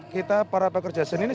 kita para pekerja seni ini